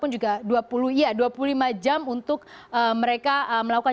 dua puluh lima jam untuk mereka melakukan